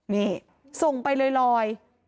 นี่ส่งไปลอย